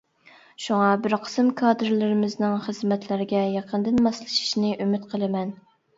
شۇڭا بىر قىسىم كادىرلىرىمىزنىڭ خىزمەتلەرگە يېقىندىن ماسلىشىشىنى ئۈمىد قىلىمەن.